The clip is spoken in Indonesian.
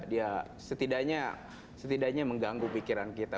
dia setidaknya mengganggu pikiran kita